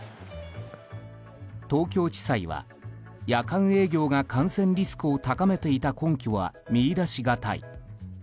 東京地裁は、夜間営業が感染リスクを高めていた根拠は見出しがたい。